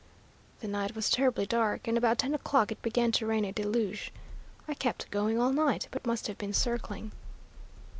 The night was terribly dark, and about ten o'clock it began to rain a deluge. I kept going all night, but must have been circling.